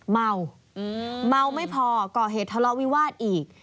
เมาเมาไม่พอก่อเหตุทะเลาะวิวาสอีก